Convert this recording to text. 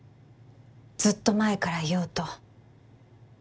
ずっと前から言おうと。